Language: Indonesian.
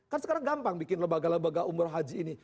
kan sekarang gampang bikin lebaga lebaga umroh haji ini